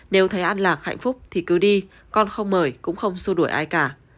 nếu thấy an lạc hạnh phúc thì cứ đi con không mời cũng không xua đuổi ai cả